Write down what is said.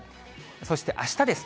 そしてあしたです。